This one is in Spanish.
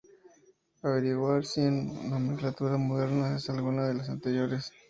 Nota: averiguar si en nomenclatura moderna es alguna de las anteriores.